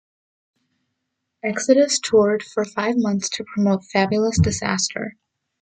Exodus toured for five months to promote "Fabulous Disaster".